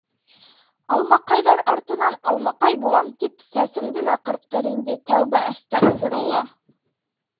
Алмаҡайҙар артынан, Алмаҡай булам, тип сәсеңде лә ҡырҡтыр инде, тәүбә әстәғфирулла.